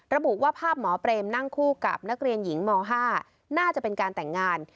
ระบุว่าภาพหมอเปรมนั่งคู่กับนักเรียนหญิงม๕น่าจะเป็นการแต่งงาน